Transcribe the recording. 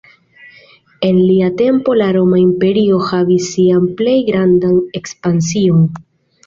En lia tempo la Roma Imperio havis sian plej grandan ekspansion.